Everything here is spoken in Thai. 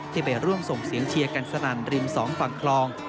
ไปร่วมส่งเสียงเชียร์กันสนั่นริมสองฝั่งคลอง